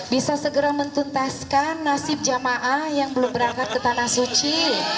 bisa segera mentuntaskan nasib jamaah yang belum berangkat ke tanah suci